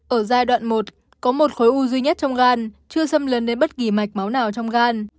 ở giai đoạn một có một khối u duy nhất trong gan chưa xâm lấn đến bất kỳ mạch máu nào trong gan